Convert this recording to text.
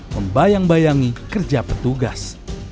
membayang bayangi kerja petugas